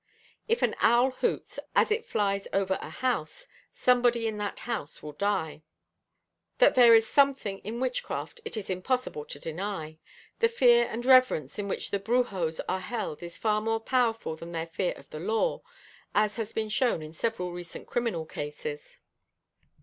If an owl hoots as it flies over a house, somebody in that house will die. That there is "something" in witchcraft it is impossible to deny. The fear and reverence in which the brujos are held is far more powerful than their fear of the law, as has been shown in several recent criminal cases.